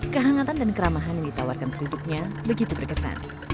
kehangatan dan keramahan yang ditawarkan penduduknya begitu berkesan